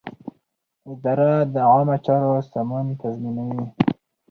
اداره د عامه چارو سمون تضمینوي.